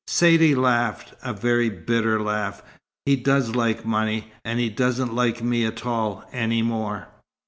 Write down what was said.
Saidee laughed, a very bitter laugh. "He does like money. And he doesn't like me at all any more."